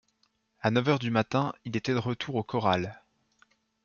À neuf heures du matin, il était de retour au corral.